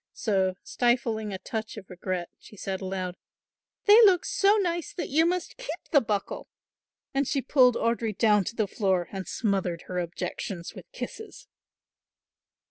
So, stifling a touch of regret, she said aloud, "They look so nice that you must keep the buckle"; and she pulled Audry down to the floor and smothered her objections with kisses.